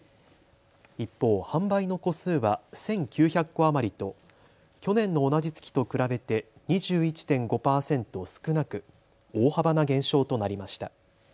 一方、販売の戸数は１９００戸余りと去年の同じ月と比べて２１．５％少なく大幅な減少となりました。